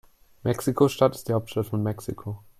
Mexiko-Stadt ist die Hauptstadt von Mexiko.